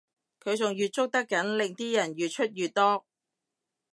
佢仲越捉得緊令啲人越出越多